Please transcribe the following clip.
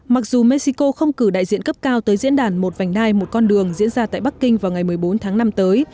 mặc dù mexico không cử đại diện cấp cao tới diễn đàn một vành đai một con đường diễn ra tại bắc kinh vào ngày một mươi bốn tháng năm tới